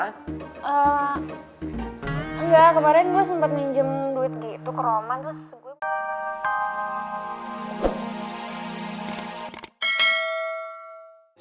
enggak kemarin gue sempat minjem duit gitu ke roman terus gue